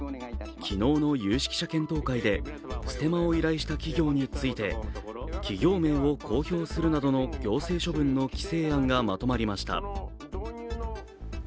昨日の有識者検討会でステマを依頼した企業について企業名を公表するなどの行政処分の規制案がまとまりました。